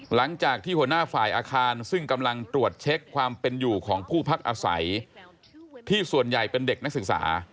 หลังจากที่หัวหน้าฝ่ายอาคารซึ่งกำลังตรวจเช็คความเป็นอยู่ของผู้พักอาศัยที่ส่วนใหญ่เป็นเด็กนักศึกษา